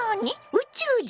宇宙人？